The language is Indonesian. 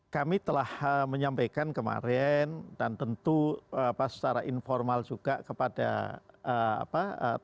kami telah menyampaikan kemarin dan tentu apa secara informal juga kepada teman teman yang lima orang